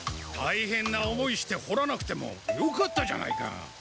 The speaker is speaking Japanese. たいへんな思いしてほらなくてもよかったじゃないか！